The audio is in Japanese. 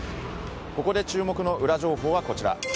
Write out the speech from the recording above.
ここで注目のウラ情報はこちら。